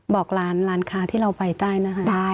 บอกร้านร้านค้าที่เราไปได้นะคะ